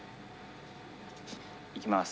いきます。